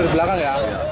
di belakang ya